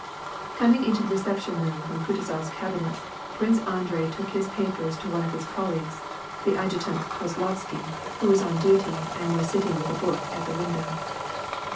Coming into the reception room from Kutuzof's cabinet, Prince Andrei took his papers to one of his colleagues, the adjutant Kozlovsky who was on duty and was sitting with a book at the window.